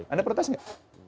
ada protes nggak